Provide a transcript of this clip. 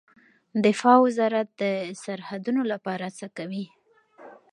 دفاع وزارت د سرحدونو لپاره څه کوي؟